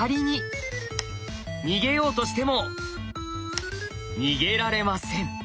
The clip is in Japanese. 逃げようとしても逃げられません。